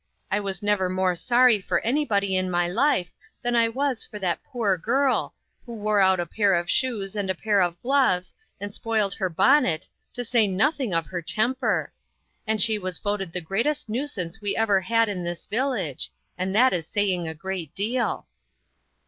I was never more sprry for any body in my life than I was for that poor girl, who wore out a pair of shoes and a pair of gloves, and spoiled her bonnet, to say nothing of her temper. And she was voted the greatest nuisance we ever had in this village, and that is saying a great deal."